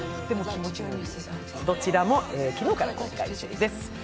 どちらも昨日から公開中です。